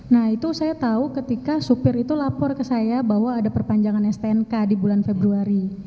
nah itu saya tahu ketika supir itu lapor ke saya bahwa ada perpanjangan stnk di bulan februari